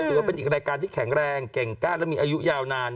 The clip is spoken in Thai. ถือว่าเป็นอีกรายการที่แข็งแรงเก่งก้านและมีอายุยาวนาน